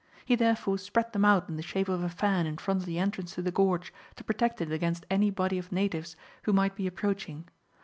He therefore spread them out in the shape of a fan in front of the entrance to the gorge, to protect it against any body of natives who might be approaching.